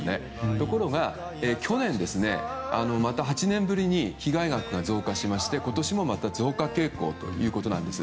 ところが去年、８年ぶりに被害額が増加しまして今年もまた増加傾向ということなんです。